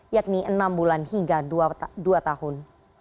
yakni enam bulan hingga dua tahun